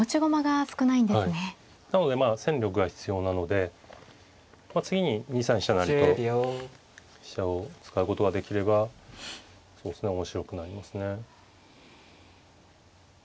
なので戦力が必要なので次に２三飛車成と飛車を使うことができれば面白くなりますね。